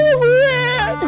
tidak banget sih sama gue